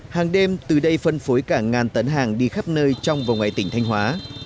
hàng đêm từ đây phân phối cả ngàn tấn hàng đi khắp nơi trong và ngoài tỉnh thanh hóa